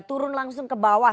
turun langsung ke bawah